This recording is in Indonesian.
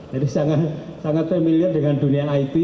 jadi sangat familiar dengan dunia it